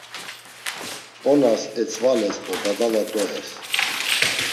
Onas etzvales do dadala doyes.